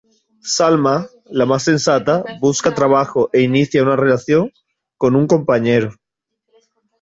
Salma, la más sensata, busca trabajo e inicia una relación con un compañero.